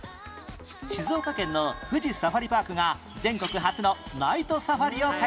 静岡県の富士サファリパークが全国初のナイトサファリを開催